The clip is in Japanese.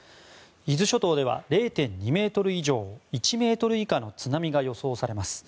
伊豆諸島では０．２ｍ以上１ｍ以下の津波が予想されます。